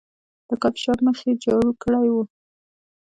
د کافي شاپ مخ یې جارو کړی و.